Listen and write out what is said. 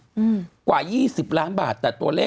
คุณหนุ่มกัญชัยได้เล่าใหญ่ใจความไปสักส่วนใหญ่แล้ว